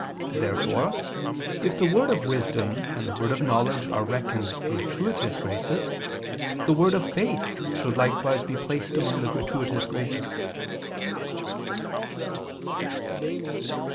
Therefore if the word of wisdom and the word of knowledge are reckoned gratuitous graces, the word of faith should likewise be placed among the gratuitous graces.